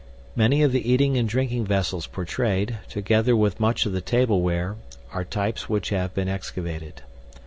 MANY OF THE EATING AND DRINKING VESSELS PORTRAYED, TOGETHER WITH MUCH OF THE TABLEWARE, ARE TYPES WHICH HAVE BEEN EXCAVATED.